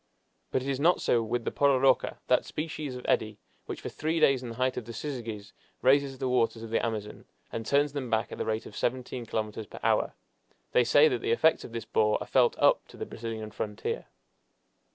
But it is not so with the "pororoca," that species of eddy which for three days in the height of the syzygies raises the waters of the Amazon, and turns them back at the rate of seventeen kilometers per hour. They say that the effects of this bore are felt up to the Brazilian frontier.